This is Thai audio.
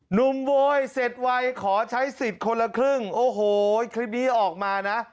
โวยเสร็จวัยขอใช้สิทธิ์คนละครึ่งโอ้โหคลิปนี้ออกมานะ